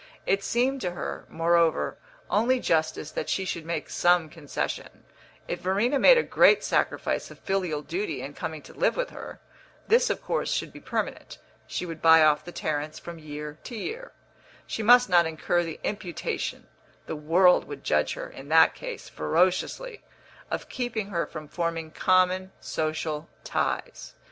It seemed to her, moreover, only justice that she should make some concession; if Verena made a great sacrifice of filial duty in coming to live with her (this, of course, should be permanent she would buy off the Tarrants from year to year), she must not incur the imputation (the world would judge her, in that case, ferociously) of keeping her from forming common social ties.